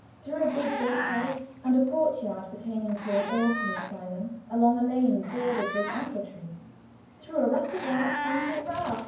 Through a big gate way, and a court yard pertaining to an orphan asylum along a lane bordered with apple trees, through a rustic arch, and, hurrah!